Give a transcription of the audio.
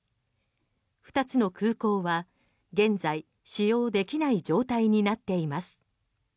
２つの空港は現在使用できない状態になっています。